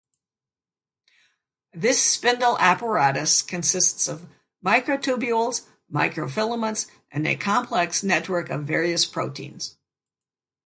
This spindle apparatus consists of microtubules, microfilaments and a complex network of various proteins.